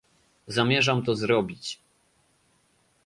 Zamierzam to zrobić